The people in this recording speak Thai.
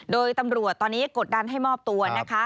โดยตำรวจตอนนี้กดดันให้มอบตัวนะคะ